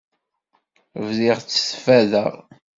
Bdiɣ ttfadeɣ.